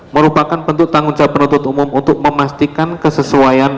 merupakan bentuk tanggung jawab penuntut umum untuk memastikan kesesuaian